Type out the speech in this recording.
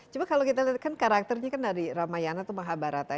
coba kalau kita lihat kan karakternya kan dari ramayana itu mahabharata